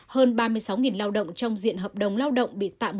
hơn ba mươi sáu lao động trong diện hợp đồng lao động